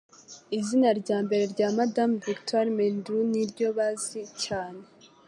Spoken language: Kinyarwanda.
Izina Ryambere rya Madamu Victor Meldrew niryo bazi cyane